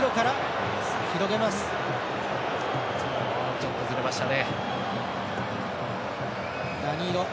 ちょっとズレましたね。